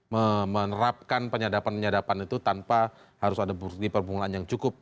menerapkan penyadapan penyadapan itu tanpa harus ada bukti permulaan yang cukup